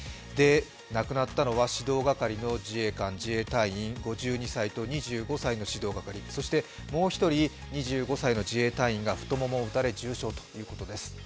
亡くなったのは指導係の自衛隊員５２歳と２５歳の指導係、そしてもう１人、２５歳の自衛隊員が太ももを撃たれ重傷ということです。